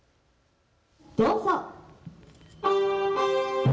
どうぞ。